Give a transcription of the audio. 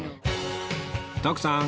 徳さん